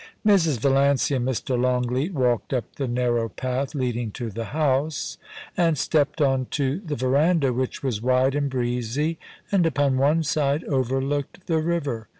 Mrs. Vallancy and Mr. Longleat walked up the narrow path leading to the house and stepped on to the verandah, which was wide and breezy, and upon one side overlooked the river.